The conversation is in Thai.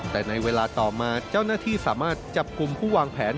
แต่ในเวลาต่อมาเจ้าหน้าที่สามารถจับกลุ่มผู้วางแผน